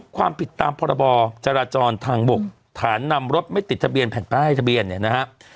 ๒ความผิดตามพรบจราจรทางบกฐานำรถไม่ติดทะเบียนแผ่นป้ายทะเบียน